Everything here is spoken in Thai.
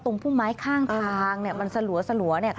ตรงผู้ไม้ข้างทางมันสลัว